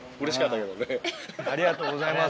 ありがとうございます。